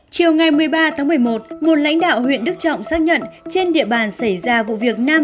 chiều ngày một mươi ba tháng một mươi một nguồn lãnh đạo huyện đức trọng xác nhận trên địa bàn xảy ra vụ việc nam